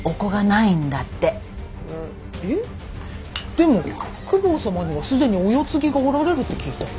でも公方様には既にお世継ぎがおられるって聞いたよ。